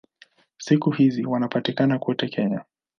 Siku hizi wanapatikana kote Kenya.